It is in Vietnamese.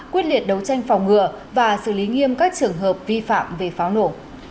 quyết liệt đấu tranh phòng ngừa và xử lý nghiêm các trường hợp vi phạm về pháo nổ